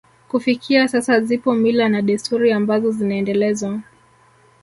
Kufikia sasa zipo mila na desturi ambazo zinaendelezwa